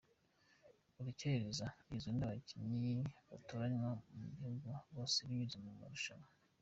Urukerereza rugizwe n’ababyinnyi batoranywa mu gihugu hose binyuze mu marushanwa.